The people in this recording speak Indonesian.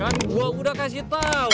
kan gue udah kasih tau